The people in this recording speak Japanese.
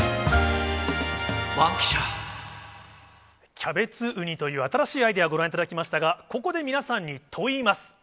キャベツウニという新しいアイデア、ご覧いただきましたが、ここで皆さんに問イマス。